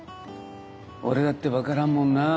俺だって分からんもんなあ。